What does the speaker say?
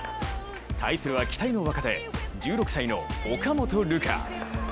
対するは期待の若手１６歳の岡本留佳。